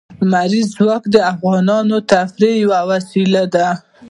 لمریز ځواک د افغانانو د تفریح یوه وسیله ده.